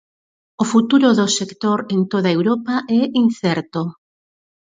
O futuro do sector en toda Europa é incerto.